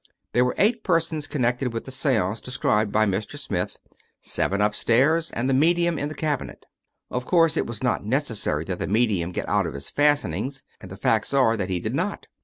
There were eight persons con nected with the seance described by Mr. Smith, seven up stairs and the medium in the cabinet. Of course it was not necessary that the medium get out of his fastenings, and the facts are that he did not.